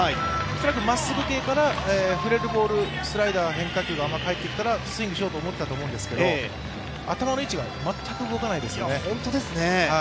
恐らくまっすぐ系から振れるボール、スライダーが入ってきたらスイングしようと思ってたと思うんですけど、頭の位置が全く動かないですね。